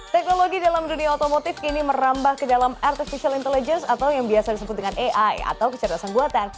teknologi dalam dunia otomotif kini merambah ke dalam artificial intelligence atau yang biasa disebut dengan ai atau kecerdasan buatan